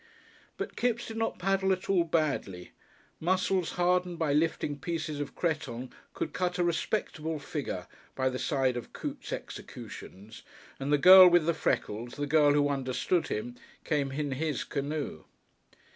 But Kipps did not paddle at all badly; muscles hardened by lifting pieces of cretonne could cut a respectable figure by the side of Coote's executions, and the girl with the freckles, the girl who understood him, came in his canoe.